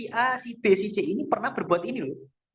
si a si b si c ini pernah berbuat ini loh